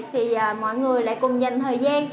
thì mọi người lại cùng dành thời gian